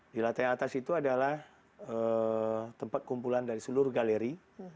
di lantai atas itu adalah tempat kumpulan dari seluruh galeri